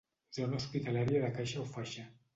Zona hospitalària de caixa o faixa.